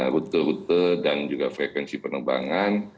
rute rute dan juga frekuensi penerbangan